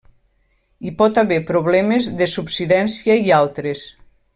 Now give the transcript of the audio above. Hi pot haver problemes de subsidència i altres.